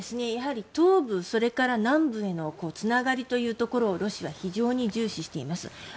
やはり東部、それから南部へのつながりというところをロシアは非常に重視しています。